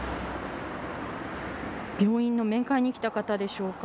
病院の面会に来た方でしょうか。